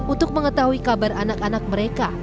untuk mengetahui kabar anak anak mereka